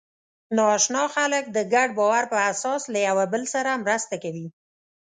ناآشنا خلک د ګډ باور په اساس له یوه بل سره مرسته کوي.